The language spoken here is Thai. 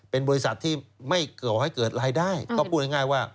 เป็นบริษัทที่ไม่ก่อให้เกิดรายได้ก็พูดง่ายว่า